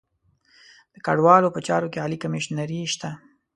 د کډوالو په چارو کې عالي کمیشنري شته.